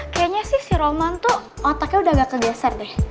kayaknya sih si roman tuh otaknya udah gak kegeser deh